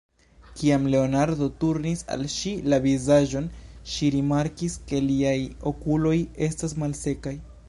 Kiam Leonardo turnis al ŝi la vizaĝon, ŝi rimarkis, ke liaj okuloj estas malsekaj.